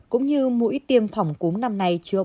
cũng như mũi tiêm phòng cúm năm nay chứa bốn chủng cúm